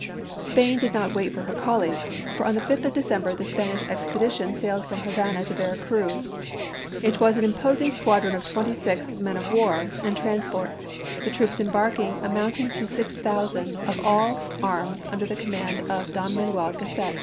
Spain did not wait for her colleagues, for on the 5th of December the Spanish expedition isei. sailed from Havana to Vera Cruz. It was an imposing squadron of twenty six men of war and transports, the troops embarking amounting to six thousand of all arms under the command of Don Manuel Gasset.